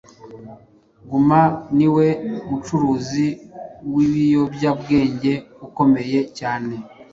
Guzman niwe mucuruzi w'ibiyobyabwenge ukomeye cyane